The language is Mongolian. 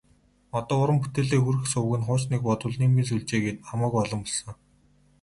Одоо уран бүтээлээ хүргэх суваг нь хуучныг бодвол нийгмийн сүлжээ гээд хамаагүй олон болсон.